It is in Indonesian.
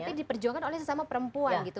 tapi diperjuangkan oleh sesama perempuan gitu